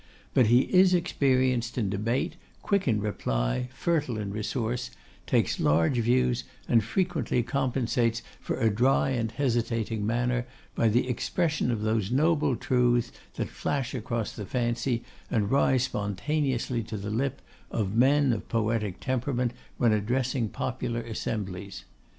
But he is experienced in debate, quick in reply, fertile in resource, takes large views, and frequently compensates for a dry and hesitating manner by the expression of those noble truths that flash across the fancy, and rise spontaneously to the lip, of men of poetic temperament when addressing popular assemblies.